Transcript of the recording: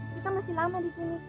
kita masih lama disini